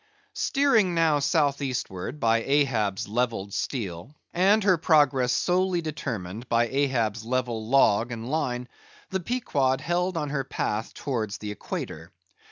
Steering now south eastward by Ahab's levelled steel, and her progress solely determined by Ahab's level log and line; the Pequod held on her path towards the Equator.